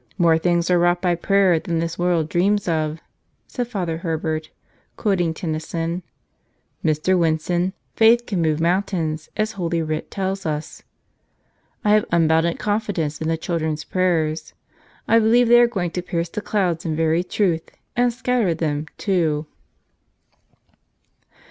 " 'More things are wrought by prayer than this world dreams of,' " said Father Herbert, quoting Ten¬ nyson. "Mr. Winson, faith can move mountains, as Holy Writ tells us. I have unbounded confidence in the children's prayers. I believe they are going to pierce the clouds in very truth, and scatter them, too."